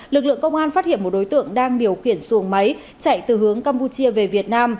lực lượng công an phát hiện một đối tượng đang điều khiển xuồng máy chạy từ hướng campuchia về việt nam